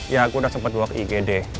ya gua udah sempet bawa ke igd